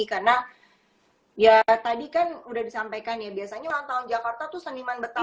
karena ya tadi kan udah disampaikan ya biasanya ulang tahun jakarta itu seniman betawi